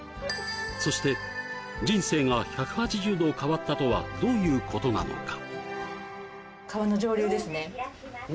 そして人生が１８０度変わったとはどういうことなのか？